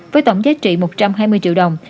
với tổng giá trị một trăm hai mươi triệu đồng